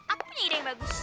aku punya ide yang bagus